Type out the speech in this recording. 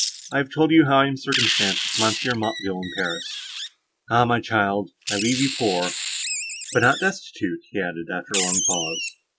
I have told you how I am circumstanced with M. Motteville, at Paris. Ah, my child! I leave you poor—but not destitute," he added, after a long pause.